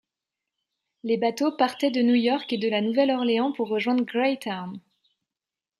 Les bateaux partaient de New York et de La Nouvelle-Orléans pour rejoindre Greytown.